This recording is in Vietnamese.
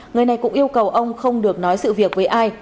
người này cũng yêu cầu ông không được nói sự việc với ai